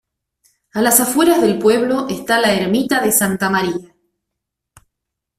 A las afueras del pueblo está la ermita de Santa María.